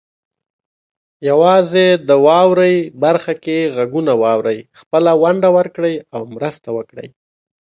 یوازې د "واورئ" برخه کې غږونه واورئ، خپله ونډه ورکړئ او مرسته وکړئ.